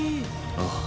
ああ。